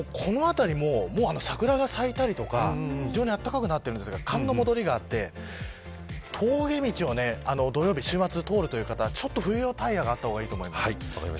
この辺りも桜が咲いたりとか非常に暖かくなっていますが寒の戻りがあって峠道を土曜日週末通るという方は冬用タイヤがあった方がいいです。